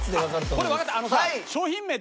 これわかった。